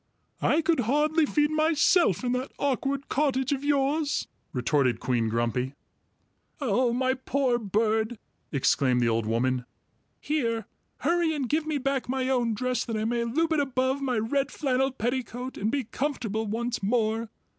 "I could hardly feed myself in that awkward cottage of yours!" retorted Queen Grumpy. "Oh, my poor bird!" exclaimed the old woman. "Here, hurry and give me back my own dress that I may loop it above my red flannel petticoat and be comfortable once more.